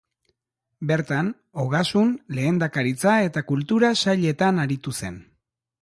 Bertan Ogasun, Lehendakaritza eta Kultura sailetan aritu zen.